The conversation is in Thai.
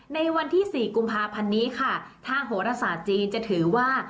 ในวันที่๔กุมภาพันธ์นี้ค่ะทางโหรศาสตร์จีนจะถือว่า